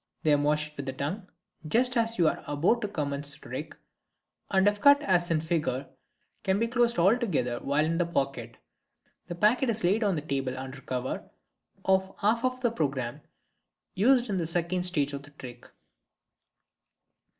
They are moistened with the tongue just as you are about to commence the trick, and if cut as in Fig. 9, can be closed all together while in the pocket. This packet is laid on the table under cover of the half of the programme used in the second stage of the trick.